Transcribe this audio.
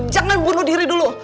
jangan bunuh diri dulu